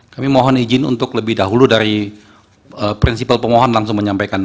kami mohon izin untuk lebih dahulu dari prinsipal pemohon langsung menyampaikan